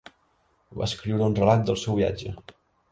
Va escriure un relat del seu viatge.